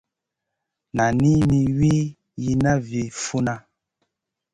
Nani mi Wii yihna vi funna.